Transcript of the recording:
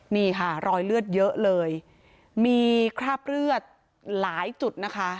นี่ค่ะรอยเลือดเยอะเลยมีคราบเลือดหลายจุดนะคะ